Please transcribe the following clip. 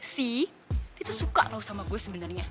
see dia tuh suka lo sama gue sebenernya